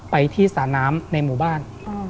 ไปที่สระน้ำในหมู่บ้าน